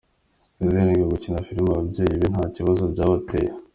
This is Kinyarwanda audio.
Giselle ngo gukina filimi abayeyi be nta kibazo byabateye.